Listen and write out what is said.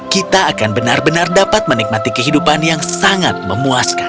kita akan benar benar dapat menikmati kehidupan yang sangat memuaskan